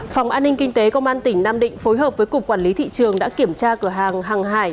phòng an ninh kinh tế công an tỉnh nam định phối hợp với cục quản lý thị trường đã kiểm tra cửa hàng hàng hải